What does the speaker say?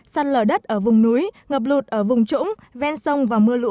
săn lở đất ở vùng núi ngập lụt ở vùng trũng ven sông và mưa lũ